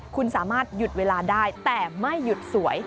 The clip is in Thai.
คุณสามารถหยุดเวลาได้แต่ไม่หยุดสวย